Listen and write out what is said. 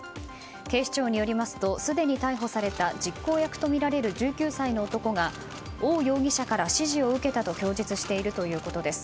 警視庁によりますとすでに逮捕された実行役とみられる１９歳の男がオウ容疑者から指示を受けたと供述しているということです。